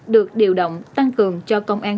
được điều động tăng cường cho công an